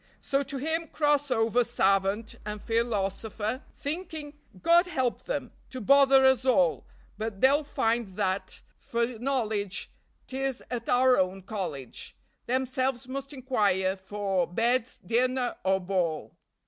So to him cross over savant and philosopher, Thinking, God help them! to bother us all; But they'll find that for knowledge 'tis at our own college Themselves must inquire for beds, dinner, or ball.